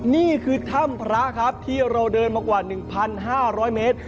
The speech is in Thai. นี่คือถ้ำพระครับที่เราเดินมากว่า๑๕๐๐เมตร